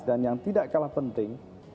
dan yang tidak kalah penting